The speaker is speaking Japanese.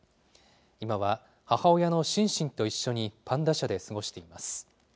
今は母親のシンシンと一緒に、パンダ舎で過ごしています。